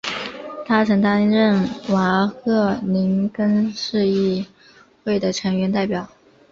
他曾担任瓦赫宁根市议会的成员代表。